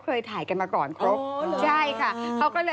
ดีโอ้โฮอย่ามาสิไอ้จ้อยก็คนแย่งเยอะ